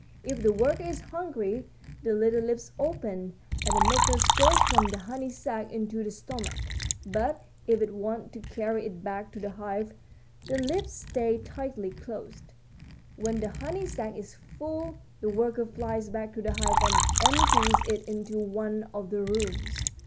If the worker is hungry the little lips open, and the nectar goes from the honey sac into the stomach. But if it wants to carry it back to the hive the lips stay tightly closed. When the honey sac is full the worker flies back to the hive and empties it into one of the rooms.